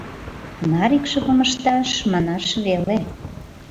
— Тынар икшывым ышташ — манаш веле.